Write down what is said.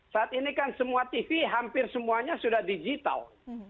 saat ini kan semua tv hampir semuanya sudah digital